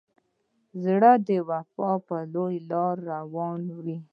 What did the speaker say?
زړه د وفا پر لور روان وي.